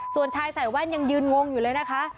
ส่วนชายใส่แว่นยังยืนงงอยู่เลยนะคะ